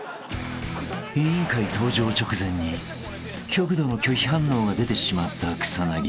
［『委員会』登場直前に極度の拒否反応が出てしまった草薙］